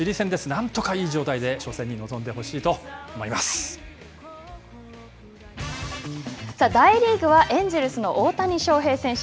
なんとかいい状態で大リーグはエンジェルスの大谷翔平選手。